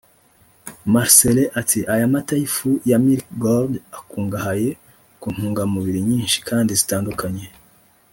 Marcellin ati”Aya mata y’ifu ya ‘Milky Gold’ akungahaye ku ntungamubiri nyinshi kandi zitandukanye